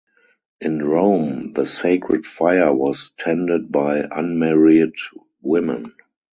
In Rome, the sacred fire was tended by unmarried women.